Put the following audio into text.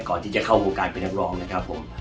ก่อนที่จะเข้าวงการเป็นนักร้องนะครับผม